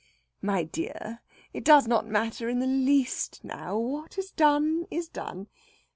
"My dear! it does not matter in the least now. What is done, is done.